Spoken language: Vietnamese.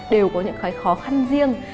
đều có những cái khó khăn riêng